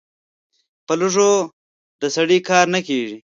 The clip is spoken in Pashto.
په لږو د سړي کار نه کېږي.